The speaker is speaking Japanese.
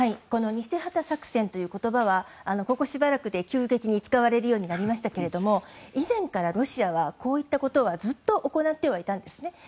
この偽旗作戦という言葉はここしばらくで急激に使われるようになりましたけど以前からロシアはこういったことはずっと行ってはいたんですね。